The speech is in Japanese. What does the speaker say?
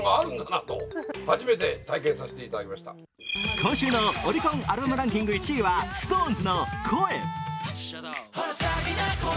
今週のオリコンアルバムランキング１位はＳｉｘＴＯＮＥＳの「声」。